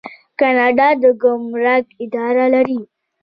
کاناډا د ګمرک اداره لري.